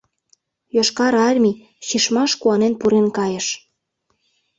Йошкар Армий Чишмаш куанен пурен кайыш.